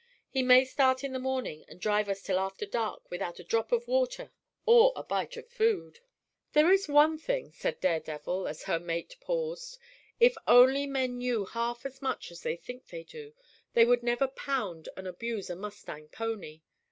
He may start in the morning and drive us till after dark without a drop of water or bite of food." "There is one thing," said Daredevil, as her mate paused, "if only men knew half as much as they think they do, they would never pound and abuse a mustang pony.